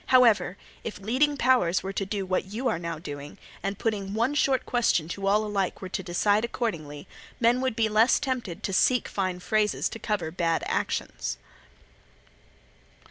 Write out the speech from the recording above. However, if leading powers were to do what you are now doing, and putting one short question to all alike were to decide accordingly, men would be less tempted to seek fine phrases to cover bad actions."